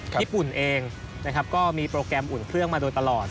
ญี่ปุ่นเองนะครับก็มีโปรแกรมอุ่นเครื่องมาโดยตลอด